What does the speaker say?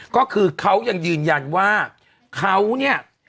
ก็คือเขายังยืนยันว่าเขาเนี่ย